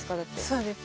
そうです。